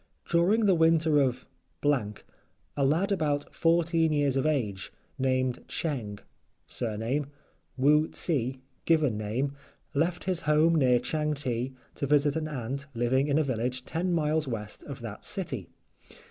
During the winter of —— a lad about fourteen years of age, named Cheng (surname) Woo tse (given name), left his home near Changte to visit an aunt living in a village ten miles west of that city.